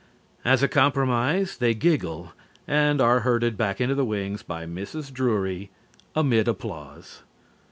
As a compromise they giggle and are herded back into the wings by Mrs. Drury, amid applause.